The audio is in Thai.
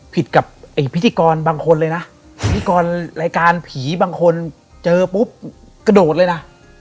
ผิดกับไอ้พิธีกรบางคนเลยนะพิธีกรรายการผีบางคนเจอปุ๊บกระโดดเลยนะ